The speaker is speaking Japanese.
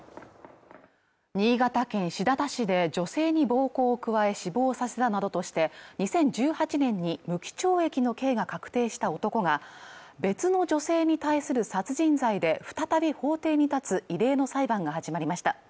新潟県新発田市で女性に暴行を加え死亡させたなどとして２０１８年に無期懲役の刑が確定した男が別の女性に対する殺人罪で再び法廷に立つ異例の裁判が始まりました